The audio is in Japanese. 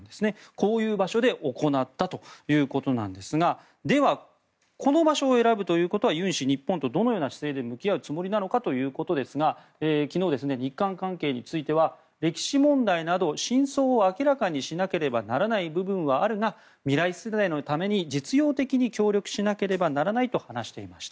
こういう場所で行ったということなんですがでは、この場所を選ぶということはユン氏は日本とどのような姿勢で向き合うつもりなのかということですが昨日、日韓関係については歴史問題など真相を明らかにしなければならない部分はあるが未来世代のために実用的に協力しなければならないと話していました。